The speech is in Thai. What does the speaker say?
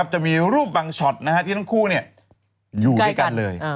จะมีรูปบางช็อตที่ทั้งคู่อยู่ด้วยกันเลย